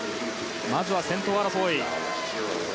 まずは先頭争い。